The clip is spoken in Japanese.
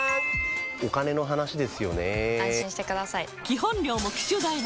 お金の話ですよね安心してください！